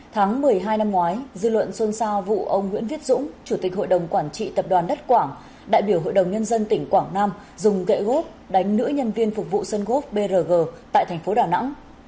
tháng một mươi hai năm ngoái dư luận xôn xao vụ ông nguyễn viết dũng chủ tịch hội đồng quản trị tập đoàn đất quảng đại biểu hội đồng nhân dân tỉnh quảng nam dùng gậy gốt đánh nữ nhân viên phục vụ sân gốp brg tại thành phố đà nẵng